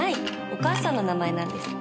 お母さんの名前なんです。